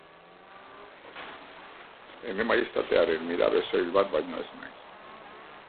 Ene Maiestatearen mirabe soil bat baino ez naiz.